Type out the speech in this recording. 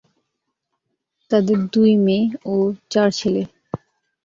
তাঁদের দুই মেয়ে ও চার ছেলে।